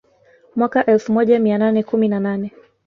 Mwaka elfu moja mia nane kumi na nane